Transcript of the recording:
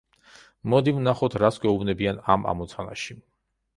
მოდით ვნახოთ, რას გვეუბნებიან ამ ამოცანაში.